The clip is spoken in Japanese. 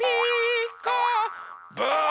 ブー！